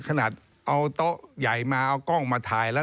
ขนาดเอาโต๊ะใหญ่มาเอากล้องมาถ่ายแล้ว